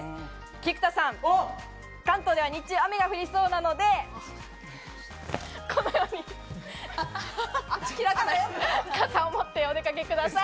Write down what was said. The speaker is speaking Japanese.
菊田さん、関東では日中、雨が降りそうなので、このように傘を持ってお出かけください。